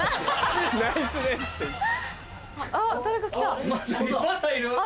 あっ誰か来た。